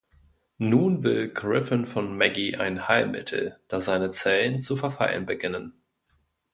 Nun will Griffin von Maggie ein Heilmittel, da seine Zellen zu verfallen beginnen.